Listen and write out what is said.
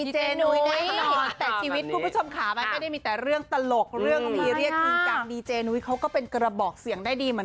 ทุกผู้ชมมาต่อที่เลย